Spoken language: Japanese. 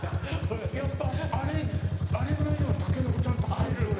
やっぱあれあれぐらいでもタケノコちゃんと生えるんだ？